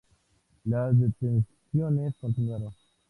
Las detenciones continuaron.